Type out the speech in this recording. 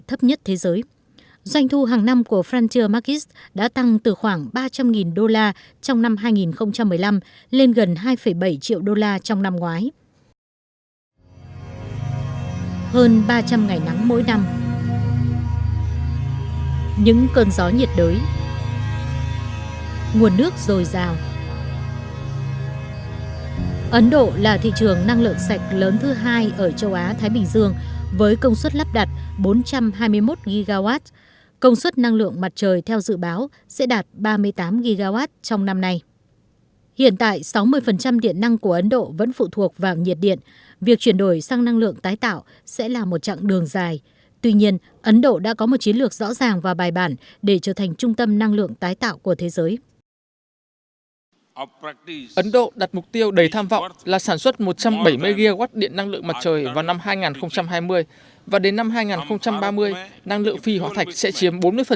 ấn độ đặt mục tiêu đầy tham vọng là sản xuất một trăm bảy mươi gw điện năng lượng mặt trời vào năm hai nghìn hai mươi và đến năm hai nghìn ba mươi năng lượng phi hóa thạch sẽ chiếm bốn mươi tổng công suất điện